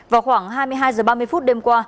vào khoảng hai mươi hai h ba mươi phút đêm qua